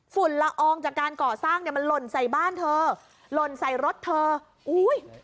ละอองจากการก่อสร้างเนี่ยมันหล่นใส่บ้านเธอหล่นใส่รถเธออุ้ย